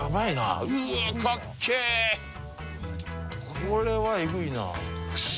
これはえぐいな。